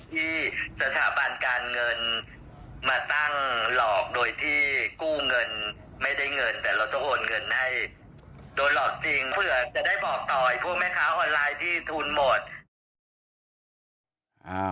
คือก็เงินมันก็หมุนถ้ามีมาหมุนในดอกเบี้ยต่ำเราก็เอาหมดแหละ